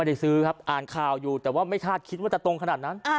ได้ซื้อครับอ่านข่าวอยู่แต่ว่าไม่คาดคิดว่าจะตรงขนาดนั้น